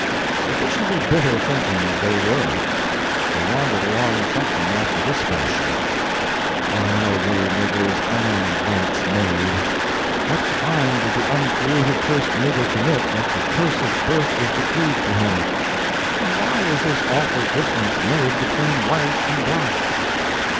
Sufficiently bitter thinkings they were. They wandered along something after this fashion: "Why were niggers and whites made? What crime did the uncreated first nigger commit that the curse of birth was decreed for him? And why is this awful difference made between white and black?